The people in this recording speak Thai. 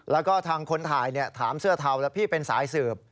แล้วก็ทางคนถ่ายถามเสื้อเทาแล้วพี่เป็นสายสืบ